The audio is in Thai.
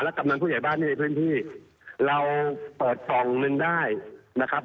กำนันผู้ใหญ่บ้านในพื้นที่เราเปิดกล่องหนึ่งได้นะครับ